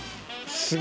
すごい。